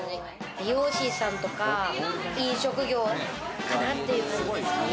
美容師さんとか飲食業かなという。